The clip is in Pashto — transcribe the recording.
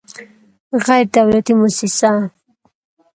غیر دولتي موسسه